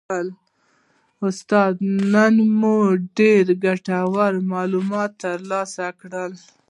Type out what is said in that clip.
استاده نن مو ډیر ګټور معلومات ترلاسه کړل